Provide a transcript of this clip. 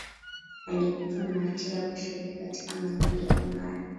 alikutwa na hatia ya kushiriki katika mauaji ya kimbari